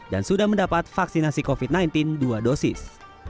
dan sudah mendapat vaksinasi covid sembilan belas dua dosis